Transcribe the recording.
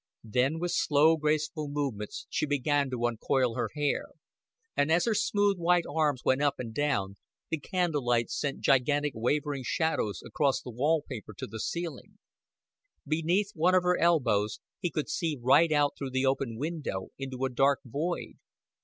Then with slow graceful movements she began to uncoil her hair, and as her smooth white arms went up and down, the candlelight sent gigantic wavering shadows across the wall paper to the ceiling. Beneath one of her elbows he could see right out through the open window into a dark void.